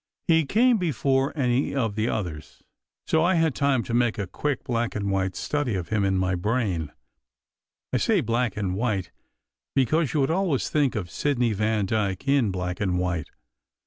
He came before any of the others, so I had time to make a quick black and white study of him in my brain, I say black and white, because you would always think of Sidney Vandyke in black and white.